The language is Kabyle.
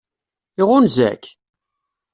Iɣunza-k?